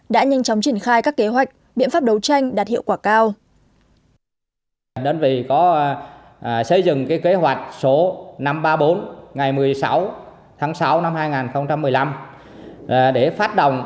đã nhanh chóng triển khai các kế hoạch biện pháp đấu tranh đạt hiệu quả cao